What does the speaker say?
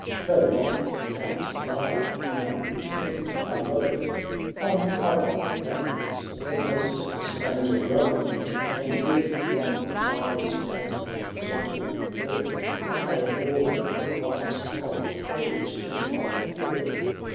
Though, like Count Lara, now re turned alone From other lands, almost a stranger grown ; And if from Lara's blood and gentle birth I augur right of courage and of worth.